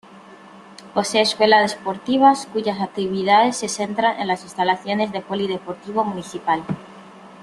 Posee escuelas deportivas cuyas actividades se centran en las instalaciones del polideportivo municipal.